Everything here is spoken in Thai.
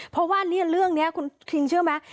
เพราะว่าเรื่องนี้คุณคิงเชื่อไหม